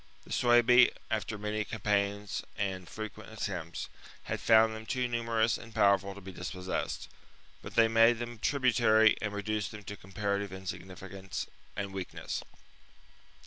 The Suebi, after many campaigns and frequent attempts, had found them too numerous and powerful to be dispossessed ; but they made them tributary and reduced them to comparative insig nificance and weakness.